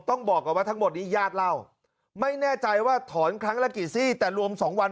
บอกก่อนว่าทั้งหมดนี้ญาติเล่าไม่แน่ใจว่าถอนครั้งละกี่ซี่แต่รวม๒วัน